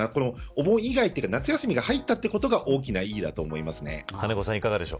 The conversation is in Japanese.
お盆以外というか、夏休みが入ったということが大きな意義だと思います。